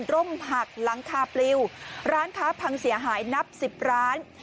ร่มหักหลังคาปลิวร้านค้าพังเสียหายนับสิบร้าน